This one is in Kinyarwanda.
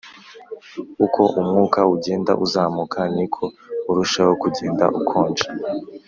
uko umwuka ugenda uzamuka ni ko urushaho kugenda ukonja